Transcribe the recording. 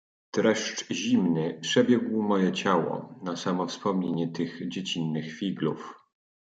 "Dreszcz zimny przebiegł moje ciało na samo wspomnienie tych dziecinnych figlów."